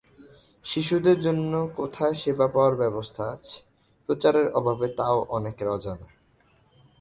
শিশুদের জন্য কোথায় সেবা পাওয়ার ব্যবস্থা আছে, প্রচারের অভাবে তা-ও অনেকের অজানা।